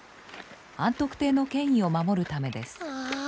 安徳帝の権威を守るためです。